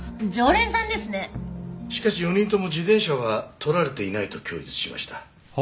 しかし４人とも自転車は盗られていないと供述しました。